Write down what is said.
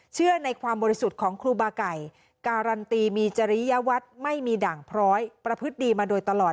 เชื่อในความบริสุทธิ์ของครูบาไก่การันตีมีจริยวัตรไม่มีด่างพร้อยประพฤติดีมาโดยตลอด